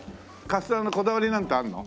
カステラのこだわりなんてあるの？